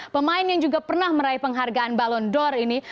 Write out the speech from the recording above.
pemain yang juga pernah meraih penghargaan ballon d'or ini